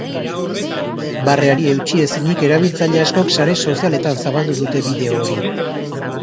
Barreari eutsi ezinik erabiltzaile askok sare sozialetan zabaldu dute bideo hori.